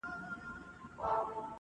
راکوه سونډي خو دومره زیاتي هم نه,